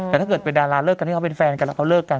แต่ถ้าเกิดเป็นดาราเลิกกันที่เขาเป็นแฟนกันแล้วเขาเลิกกัน